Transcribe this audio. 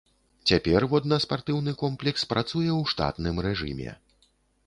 Цяпер воднаспартыўны комплекс працуе ў штатным рэжыме.